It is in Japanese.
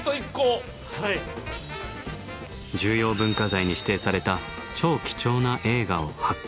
重要文化財に指定された超貴重な映画を発見。